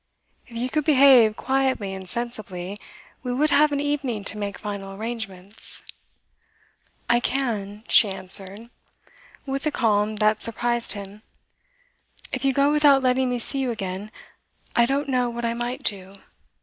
'If you could behave quietly and sensibly, we would have an evening to make final arrangements.' 'I can,' she answered, with a calm that surprised him. 'If you go without letting me see you again, I don't know what I might do.